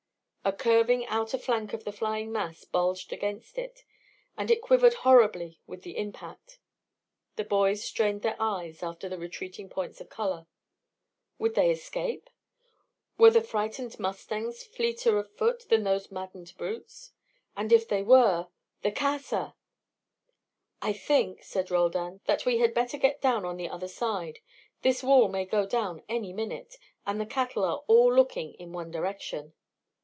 A curving outer flank of the flying mass bulged against it, and it quivered horribly with the impact. The boys strained their eyes after the retreating points of colour. Would they escape? Were the frightened mustangs fleeter of foot than those maddened brutes? And if they were the Casa! "I think," said Roldan, "that we had better get down on the other side. This wall may go down any minute; and the cattle are all looking in one direction."